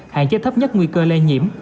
hạn chế thấp nhất nguy cơ lây nhiễm